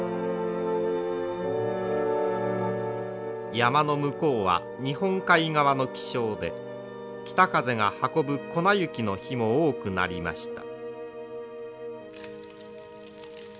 山の向こうは日本海側の気象で北風が運ぶ粉雪の日も多くなりました。